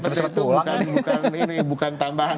jadi petai itu bukan ini bukan tambahan